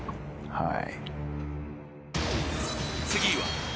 はい。